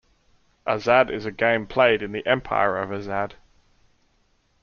Azad is a game played in the Empire of Azad.